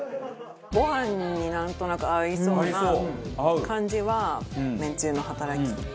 ご飯になんとなく合いそうな感じはめんつゆの働きですね。